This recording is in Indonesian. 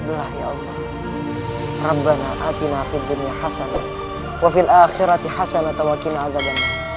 belah ya allah rabbana hatimah fiddunya hasanah wafil akhirati hasanah tawakinah agagamah